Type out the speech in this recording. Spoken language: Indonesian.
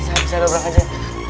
bisa bisa lepaskan dia